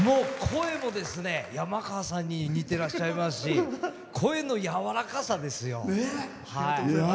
声も山川さんに似てらっしゃいますし声の柔らかさですよ。